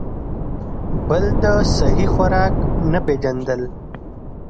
بل د سهي خوراک نۀ پېژندل ،